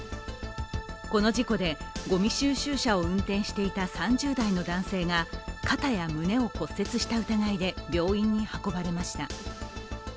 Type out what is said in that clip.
この事故で、ごみ収集車を運転していた３０代の男性が肩や胸を骨折した疑いで病院に運ばれました。